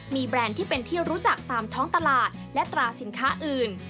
มีแบรนด์ที่เป็นที่รู้จักตามท้องตลาดและตราสินค้าอื่น